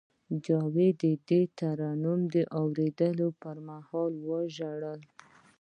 جاوید د دې ترانې د اورېدو پر مهال وژړل